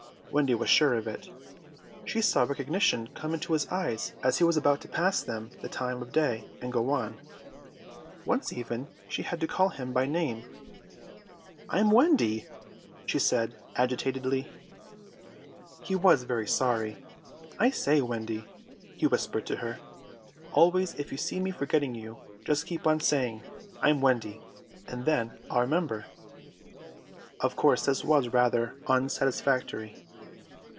Wendy was sure of it. She saw recognition come into his eyes as he was about to pass them the time of day and go on; once even she had to call him by name. "I'm Wendy," she said agitatedly. He was very sorry. "I say, Wendy," he whispered to her, "always if you see me forgetting you, just keep on saying 'I'm Wendy,' and then I'll remember." Of course this was rather unsatisfactory.